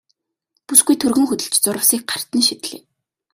Бүсгүй түргэн хөдөлж зурвасыг гарт нь шидлээ.